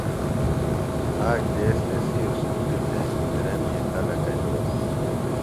آ ک دیس تسی اُسکُلیۡ تھےۡ دھرندی خلکہ یھولہ۔